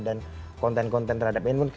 dan konten konten terhadap handphone